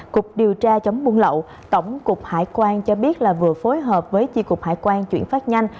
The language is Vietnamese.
cục điều tra chống buôn lậu tổng cục hải quan cho biết là vừa phối hợp với chi cục hải quan chuyển phát nhanh